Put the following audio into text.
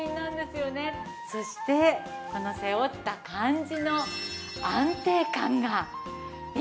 そしてこの背負った感じの安定感が。